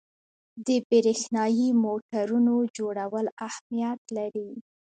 د برېښنايي موټورونو جوړول اهمیت لري.